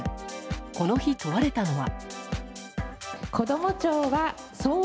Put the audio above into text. この日、問われたのは。